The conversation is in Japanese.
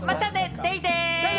デイデイ！